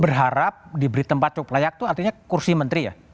berharap diberi tempat cukup layak itu artinya kursi menteri ya